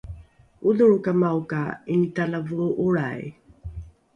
odholrokamao ka ’initalavoo’olrai